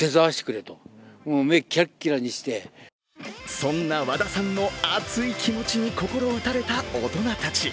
そんな和田さんの熱い気持ちに心打たれた大人たち。